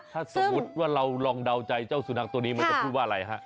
ถ้าสมมุติว่าเราลองเดาใจเจ้าสุนัขตัวนี้มันจะพูดว่าอะไรฮะ